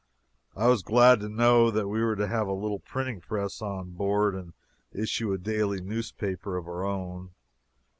I was glad to know that we were to have a little printing press on board and issue a daily newspaper of our own.